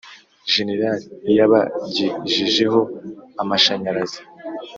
général iyabagejejeho amashanyarazi